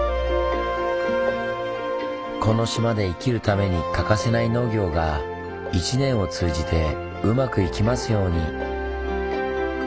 この島で生きるために欠かせない農業が一年を通じてうまくいきますように。